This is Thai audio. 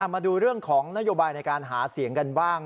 มาดูเรื่องของนโยบายในการหาเสียงกันบ้าง